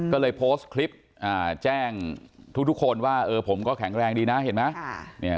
ก็เลยโพสต์คลิปแจ้งทุกคนว่าผมก็แข็งแรงดีนะเห็นไหม